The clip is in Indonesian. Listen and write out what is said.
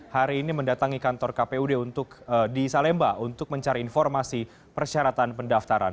hari ini mendatangi kantor kpud untuk di salemba untuk mencari informasi persyaratan pendaftaran